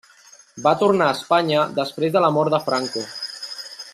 Va tornar a Espanya després de la mort de Franco.